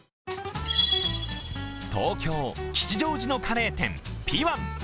東京・吉祥寺のカレー店ピワン。